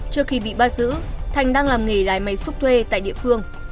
trước khi bị bắt giữ thành đang làm nghề lái máy xúc thuê tại địa phương